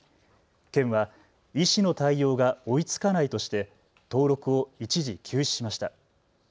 県は医師の対応が追いつかないとして登録を一時、休止ました。